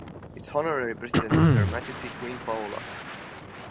Its honorary president is her Majesty Queen Paola.